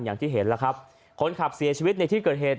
อย่างที่เห็นแล้วครับคนขับเสียชีวิตในที่เกิดเหตุ